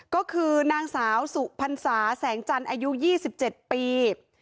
ก็คือนางสาวสุพรรษาแสงจันทร์อายุ๒๗ปี